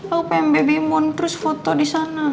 aku pengen baby moon terus foto disana